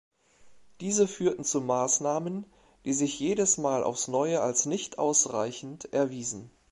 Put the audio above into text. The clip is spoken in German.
Diese führten zu Maßnahmen, die sich jedes Mal aufs Neue als nicht ausreichend erwiesen.